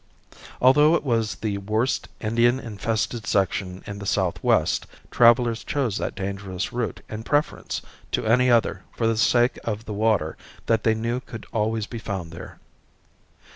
Although it was the worst Indian infested section in the southwest, travelers chose that dangerous route in preference to any other for the sake of the water that they knew could always be found there.